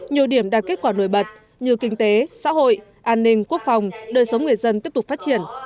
nhiều điểm đạt kết quả nổi bật như kinh tế xã hội an ninh quốc phòng đời sống người dân tiếp tục phát triển